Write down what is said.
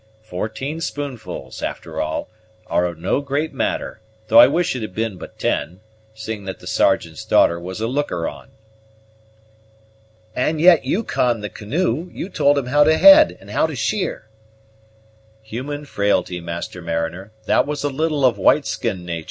Fourteen spoonfuls, after all, are no great matter, though I wish it had been but ten, seeing that the Sergeant's daughter was a looker on." "And yet you conned the canoe; you told him how to head and how to sheer." "Human frailty, master mariner; that was a little of white skin natur'.